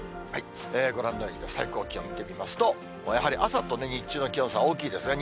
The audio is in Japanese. ご覧のように最高気温見てみますと、やはり朝と日中の気温差大きいですね。